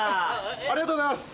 ・ありがとうございます。